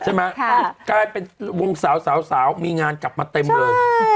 ใช่ไหมเป็นวงสาวมีงานกลับมาเต็มเลย